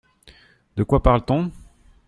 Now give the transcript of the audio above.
De quoi parle-t-on ?